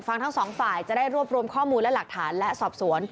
ทั้งสองฝ่ายจะได้รวบรวมข้อมูลและหลักฐานและสอบสวน